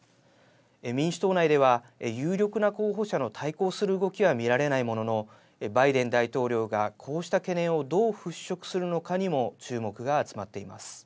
民主党内では有力な候補者の対抗する動きは見られないもののバイデン大統領がこうした懸念をどう払拭するのかにも注目が集まっています。